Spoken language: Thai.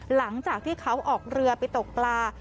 หลังจากที่เขาออกเรือไปตกปลา